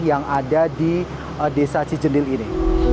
yang ada di desa cijendil ini